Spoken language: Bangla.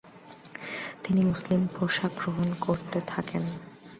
তিনি মুসলিম পোশাক গ্রহণ করতে থাকেন।